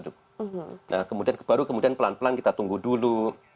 nah kemudian baru kemudian pelan pelan kita tunggu dulu